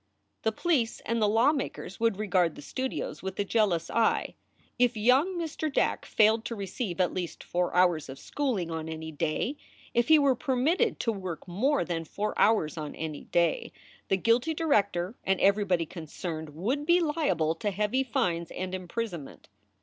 The police and the lawmakers would regard the studios with a jealous eye. If young Mr. Dack failed to receive at least four hours of schooling on any day; if he were per mitted to work more than four hours on any day, the guilty director and everybody concerned would be liable to heavy fines and imprisonment.